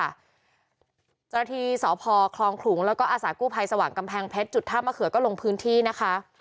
เจ้าหน้าที่สพคลองขลุงแล้วก็อาสากู้ภัยสว่างกำแพงเพชรจุดท่ามะเขือก็ลงพื้นที่นะคะ